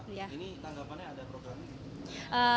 ini tanggapannya ada program